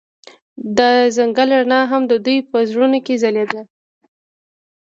د ځنګل رڼا هم د دوی په زړونو کې ځلېده.